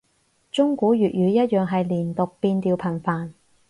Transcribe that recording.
中古粵語一樣係連讀變調頻繁